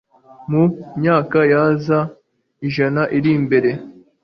mu myaka ya za ijana iri imbere